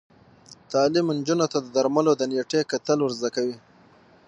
تعلیم نجونو ته د درملو د نیټې کتل ور زده کوي.